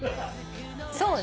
そうね。